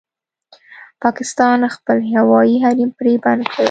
پاکستان خپل هوايي حريم پرې بند کړی